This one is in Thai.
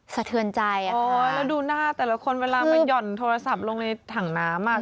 สะเทือนใจแล้วดูหน้าแต่ละคนเวลามันหย่อนโทรศัพท์ลงในถังน้ำ